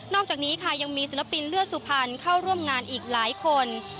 อกจากนี้ค่ะยังมีศิลปินเลือดสุพรรณเข้าร่วมงานอีกหลายคน